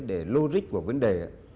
để lô rích của vấn đề